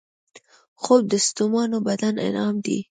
خوب د ستومانو بدن انعام دی